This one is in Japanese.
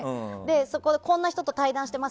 こんな人と対談してます